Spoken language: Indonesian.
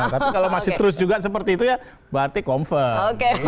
tapi kalau masih terus juga seperti itu ya berarti confirm